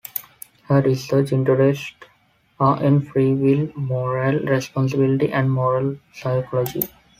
Her research interests are in free will, moral responsibility, and moral psychology.